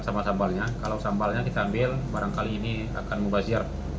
sambal sambalnya kalau sambalnya kita ambil barangkali ini akan mubazir